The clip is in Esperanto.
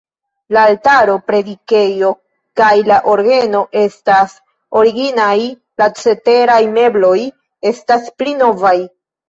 La altaro, predikejo kaj la orgeno estas originaj, la ceteraj mebloj estas pli novaj.